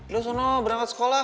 lo sono berangkat sekolah